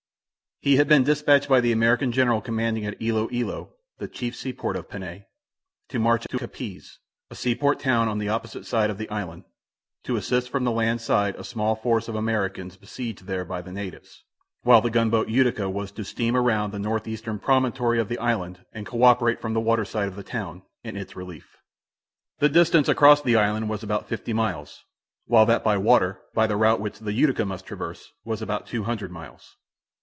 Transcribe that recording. He had been dispatched by the American general commanding at Ilo Ilo, the chief seaport of Panay, to march to Capiz, a seaport town on the opposite side of the island, to assist from the land side a small force of Americans besieged there by the natives, while the gunboat Utica was to steam around the northeastern promontory of the island and cooperate from the water side of the town, in its relief. The distance across the island was about fifty miles, while that by water, by the route which the Utica must traverse, was about two hundred miles.